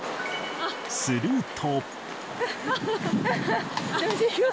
すると。